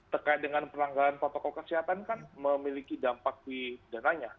terkait dengan penanggalan protokol kesehatan kan memiliki dampak di dananya